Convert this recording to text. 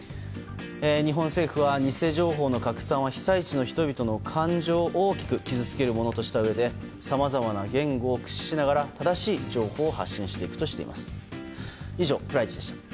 日本政府は、偽情報の拡散は被災地の人々の感情を大きく傷つけるものとしたうえでさまざまな言語を駆使しながらトヨタイムズの富川悠太です